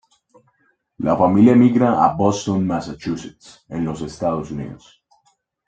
La familia emigra a Boston, Massachusetts en los Estados Unidos.